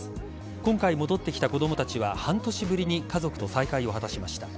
今回戻ってきた子供たちは半年ぶりに家族と再会を果たしました。